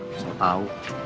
gak usah tau